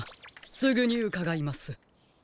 すぐにうかがいます。